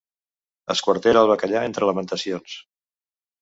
Esquartera el bacallà entre lamentacions.